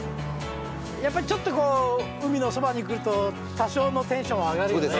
やっぱりちょっと海のそばに来ると多少のテンションは上がるよね。